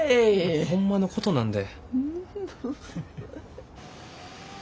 ホンマのことなんで。